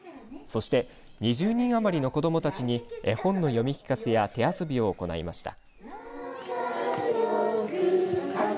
そして、２０人余りの子どもたちに絵本の読み聞かせや手遊びを行いました。